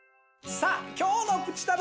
さあ今日の『プチたべ』